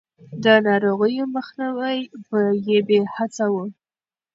د ناروغيو مخنيوی يې هڅاوه.